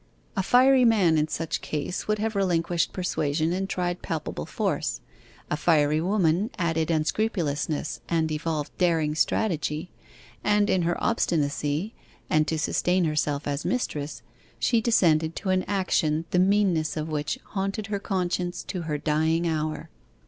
A fiery man in such a case would have relinquished persuasion and tried palpable force. A fiery woman added unscrupulousness and evolved daring strategy; and in her obstinacy, and to sustain herself as mistress, she descended to an action the meanness of which haunted her conscience to her dying hour.